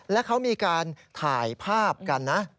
และเขามีการถ่ายภาพกันนะ